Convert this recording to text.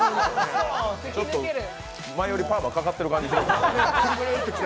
ちょっと前よりパーマかかってる感じしますね。